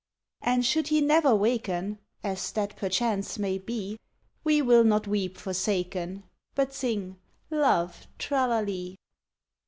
And should he never waken, As that perchance may be, We will not weep forsaken, But sing, "Love, tra la lee!"